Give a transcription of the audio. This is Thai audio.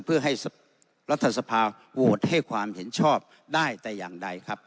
เพื่อให้รัฐสภาโหวตให้ความเห็นชอบได้แต่อย่างใดครับ